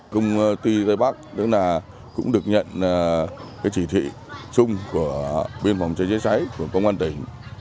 công ty tây bắc cũng được nhận chỉ thị chung của biên phòng chữa cháy chữa cháy của công an tỉnh